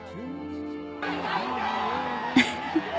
［フフフ。